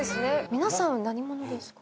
皆さん何者ですか？